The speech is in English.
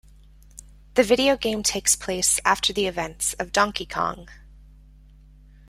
The video game takes place after the events of Donkey Kong.